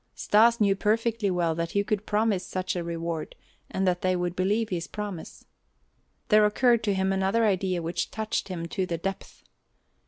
Stas knew perfectly well that he could promise such a reward and that they would believe his promise. There occurred to him another idea which touched him to the depth.